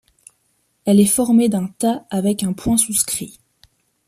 Elle est formée d’un ta avec un point souscrit.